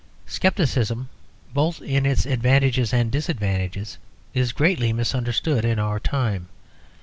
Scepticism, both in its advantages and disadvantages, is greatly misunderstood in our time.